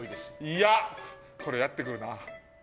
いや、これやってくるな。